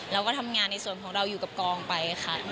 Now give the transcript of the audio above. เราก็ทำงานในส่วนของเราอยู่กับกองไปค่ะ